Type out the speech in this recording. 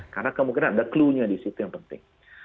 karena kemungkinan ada clue nya di situ yang penting